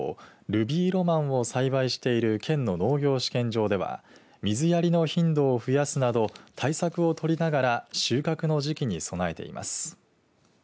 ルビーロマンを栽培している県の農業試験場では水やりの頻度を増やすなど対策を取りながら収穫の時期に備えています。